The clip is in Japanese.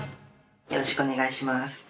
よろしくお願いします。